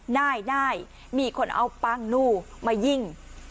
ง่ายมีคนเอาปางนูมายิง